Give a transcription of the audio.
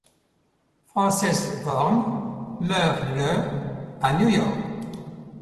Frances Vorne meurt le à New York.